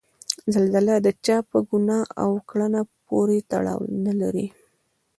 زلزله د چا په ګناه او کړنه پورې تړاو نلري.